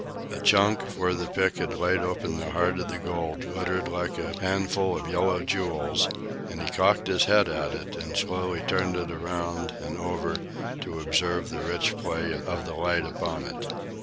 A chunk, where the pick had laid open the heart of the gold, glittered like a handful of yellow jewels, and he cocked his head at it and slowly turned it around and over to observe the rich play of the light upon it.